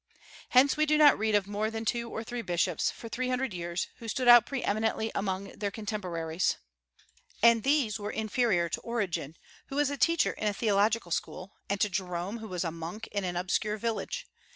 Hence we do not read of more than two or three bishops, for three hundred years, who stood out pre eminently among their contemporaries; and these were inferior to Origen, who was a teacher in a theological school, and to Jerome, who was a monk in an obscure village.